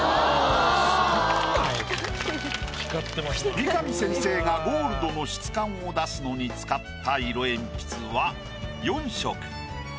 三上先生がゴールドの質感を出すのに使った色えんぴつは４色。